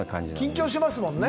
緊張しますもんね。